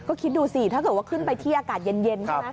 ก็คิดดูสิถ้าเกิดว่าขึ้นไปที่อากาศเย็นใช่ไหม